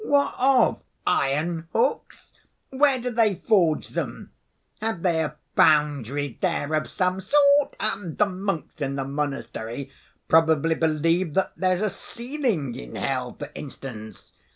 What of? Iron hooks? Where do they forge them? Have they a foundry there of some sort? The monks in the monastery probably believe that there's a ceiling in hell, for instance.